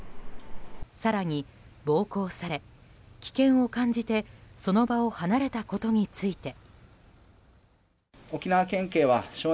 更に、暴行され危険を感じてその場を離れたことについて。